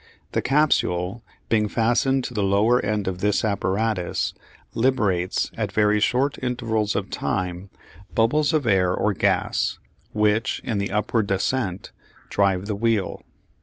The capsule, being fastened to the lower end of this apparatus, liberates at very short intervals of time bubbles of air or gas, which, in the upward ascent, drive the wheel.